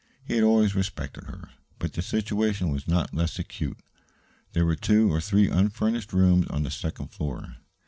He had always respected her. But the situation was not less acute. There were two or three unfurnished rooms on the second floor.